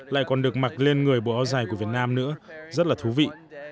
lại còn được mặc lên người bộ áo dài của việt nam nữa rất là thú vị